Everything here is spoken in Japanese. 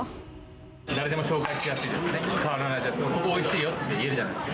誰にでも紹介しやすいですね。